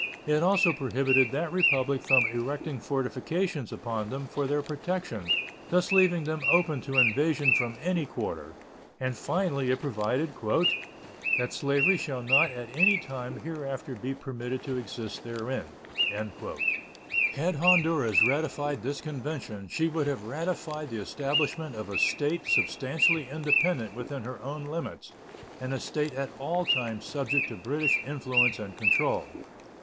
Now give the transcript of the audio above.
It also prohibited that Republic from erecting fortifications upon them for their protection, thus leaving them open to invasion from any quarter; and, finally, it provided "that slavery shall not at any time hereafter be permitted to exist therein." Had Honduras ratified this convention, she would have ratified the establishment of a state substantially independent within her own limits, and a state at all times subject to British influence and control.